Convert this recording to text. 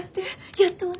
やったわね